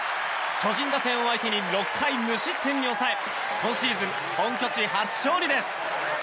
巨人打線を相手に６回無失点に抑え今シーズン、本拠地初勝利です。